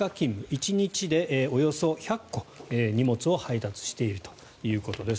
１日でおよそ１００個、荷物を配達しているということです。